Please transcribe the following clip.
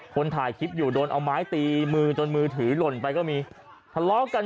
คนถ่ายคลิปอยู่โดนเอาไม้ตีมือจนมือถือหล่นไปก็มีทะเลาะกัน